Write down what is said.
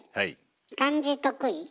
漢字得意？